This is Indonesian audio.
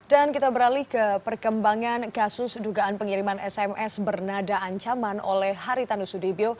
dan kita beralih ke perkembangan kasus dugaan pengiriman sms bernada ancaman oleh haritanu sudibyo